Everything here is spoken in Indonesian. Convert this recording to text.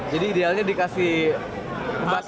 jadi idealnya dikasih pembatas